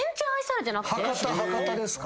博多ですか？